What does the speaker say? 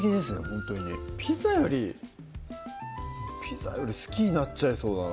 ほんとにピザよりピザより好きになっちゃいそうだな